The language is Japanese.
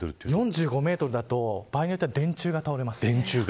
４５メートルだと場合によっては電柱が倒れます。